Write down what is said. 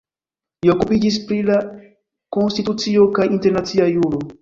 Li okupiĝis pri la konstitucio kaj internacia juro.